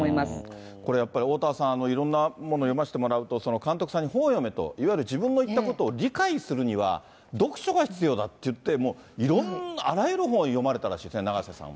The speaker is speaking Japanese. これやっぱり、おおたわさん、いろんなものを読ませてもらうと、監督さんの本を読めと、自分の言ったことを理解するには、読書が必要だっていって、いろんな、あらゆる本を読まれたらしいですね、永瀬さんは。